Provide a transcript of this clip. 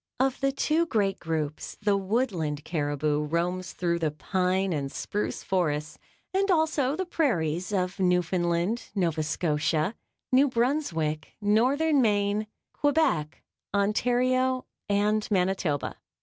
Of the two great groups, the Woodland caribou roams through the pine and spruce forests and also the prairies of Newfoundland, Nova Scotia, New Brunswick, Northern Maine, Quebec, Ontario and Manitoba.